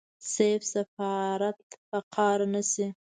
صيب سفارت په قار نشي.